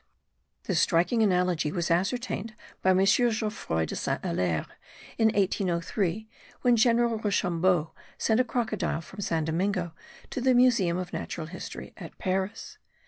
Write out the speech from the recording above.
(* This striking analogy was ascertained by M. Geoffroy de Saint Hilaire in 1803 when General Rochambeau sent a crocodile from San Domingo to the Museum of Natural History at Paris.